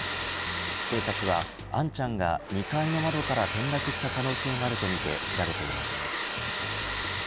警察は杏ちゃんが２階の窓から転落した可能性があるとみて調べています。